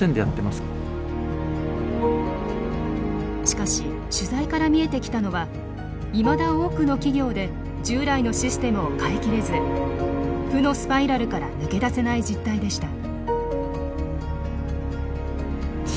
しかし取材から見えてきたのはいまだ多くの企業で従来のシステムを変え切れず負のスパイラルから抜け出せない実態でした。